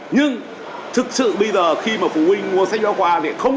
nhưng thực sự bây giờ khi mà phụ huynh mua sách giáo khoa